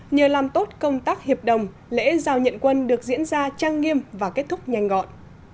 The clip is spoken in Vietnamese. nhờ làm tốt công tác hiệp đồng lễ giao nhận quân được diễn ra trang nghiêm và kết thúc nhanh gọn